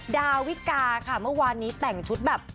ดาวิกาค่ะเมื่อวานนี้แต่งชุดแบบ